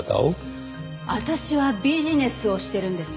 私はビジネスをしてるんですよ。